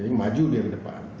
jadi maju di depan